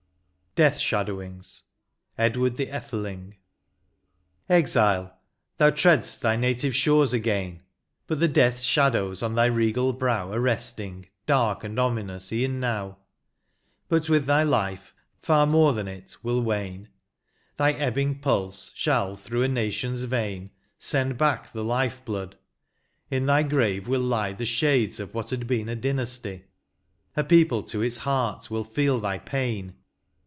175 LXXXVII. DEATH SHADOWINGS. — I. EDWARD THE ETHELING. Exile, thou tread'st thy native shores again ! But the death shadows on thy regal brow Are resting, dark and ominous, e'en now ; But with thy life, far more than it, will wane — Thy ebbing pulse shall through a nation s vein Send back the life blood ; in thy grave will lie The shades of what had been a dynasty ; A people to its heart will feel thy pain.